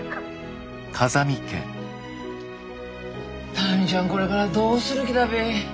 民ちゃんこれからどうする気だべえ。